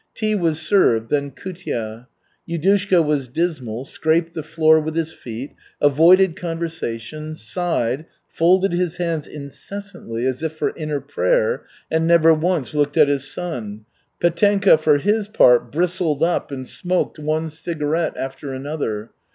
Tea was served, then kutya. Yudushka was dismal, scraped the floor with his feet, avoided conversation, sighed, folded his hands incessantly as if for inner prayer, and never once looked at his son. Petenka, for his part, bristled up and smoked one cigarette after another.